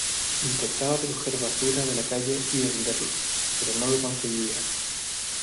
Intentaba recoger basura de la calle y venderlos, pero no lo conseguía.